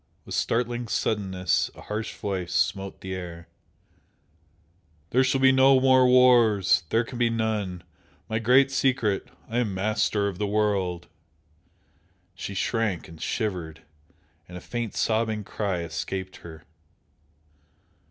With startling suddenness a harsh voice smote the air "There shall be no more wars! There can be none! My Great Secret! I am Master of the World!" She shrank and shivered, and a faint sobbing cry escaped her.